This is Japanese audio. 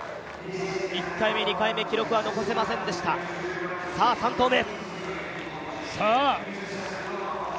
１回目、２回目、記録は残せませんでした、３投目。